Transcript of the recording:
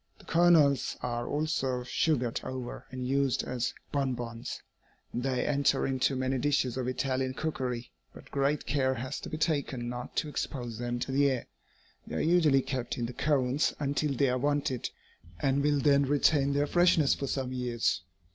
The kernels are also sugared over and used as bonbons. They enter into many dishes of Italian cookery, but great care has to be taken not to expose them to the air. They are usually kept in the cones until they are wanted, and will then retain their freshness for some years.